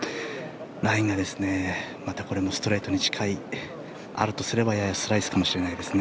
ラインがまたこれもストレートに近いあるとすればややスライスかもしれないです。